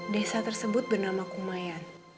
desa tersebut bernama kumayan